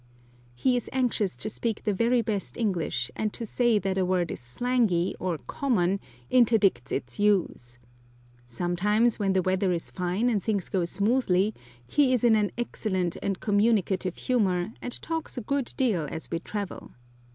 He is anxious to speak the very best English, and to say that a word is slangy or common interdicts its use. Sometimes, when the weather is fine and things go smoothly, he is in an excellent and communicative humour, and talks a good deal as we travel.